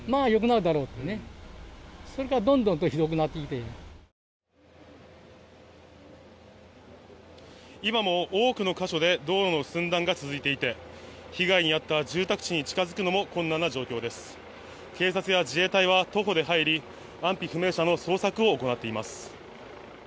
いまも多くの箇所で道路の寸断が続いていていまは被害にあった住宅地に近づくのも困難な状況で警察は徒歩やバイクで住宅地に入り安否不明者の捜索を行っています。